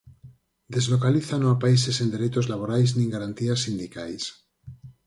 Deslocalízano a países sen dereitos laborais nin garantías sindicais.